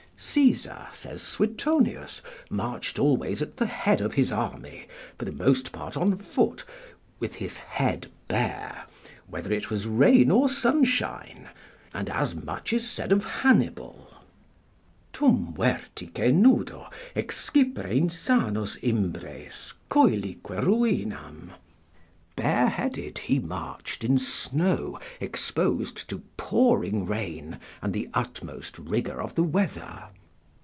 Caesar, says Suetonius, marched always at the head of his army, for the most part on foot, with his head bare, whether it was rain or sunshine, and as much is said of Hannibal: "Tum vertice nudo, Excipere insanos imbres, coelique ruinam." ["Bareheaded he marched in snow, exposed to pouring rain and the utmost rigour of the weather."